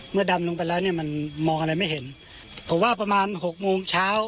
ดำลงไปแล้วเนี่ยมันมองอะไรไม่เห็นผมว่าประมาณหกโมงเช้า